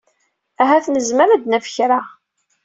Ahat nezmer ad d-naf kra.